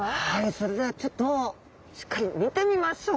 それではちょっとしっかり見てみましょう。